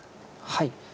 はい。